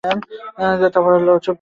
চুপ করো, ব্রায়ান!